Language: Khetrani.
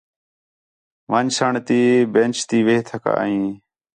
وَن٘ڄسݨ تی بینچ تی وِہ تھکا ہیں